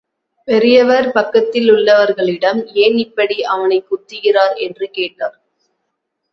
பெரியவர் பக்கத்திலுள்ளவர்களிடம் ஏன் இப்படி, அவனைக் குத்துகிறார் என்று கேட்டார்.